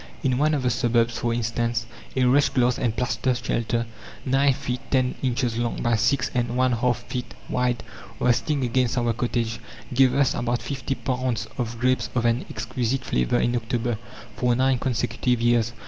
In one of the suburbs, for instance, a wretched glass and plaster shelter, nine feet ten inches long by six and one half feet wide, resting against our cottage, gave us about fifty pounds of grapes of an exquisite flavour in October, for nine consecutive years.